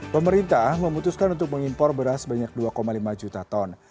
pemerintah memutuskan untuk mengimpor beras sebanyak dua lima juta ton